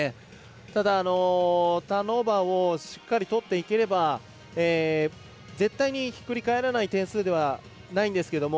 ただ、ターンオーバーをしっかり取っていければ絶対にひっくり返らない点数ではないんですけれども